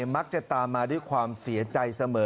มักจะตามมาด้วยความเสียใจเสมอ